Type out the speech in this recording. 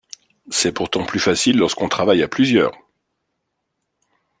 C'est pourtant plus facile lorsqu'on travaille à plusieurs.